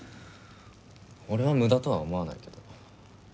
俺は無駄とは思わないけど。